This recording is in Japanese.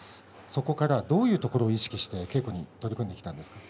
そこから、どんなところを意識して稽古に取り組んできましたか。